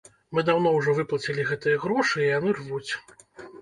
Мы даўно ўжо выплацілі гэтыя грошы, а яны рвуць!